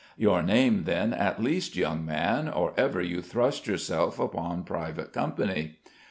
"Your name, then, at least, young man, or ever you thrust yourself upon private company."